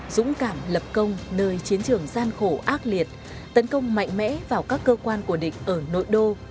dũng cảm lập công nơi chiến trường gian khổ ác liệt tấn công mạnh mẽ vào các cơ quan của địch ở nội đô